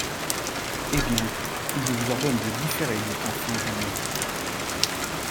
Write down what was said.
Eh bien ! je vous ordonne de différer, dit enfin Julien.